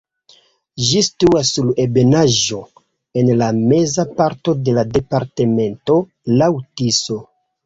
Ĝi situas sur ebenaĵo en la meza parto de la departemento laŭ Tiso.